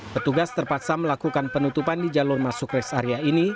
petugas terpaksa melakukan penutupan di jalur masuk rest area ini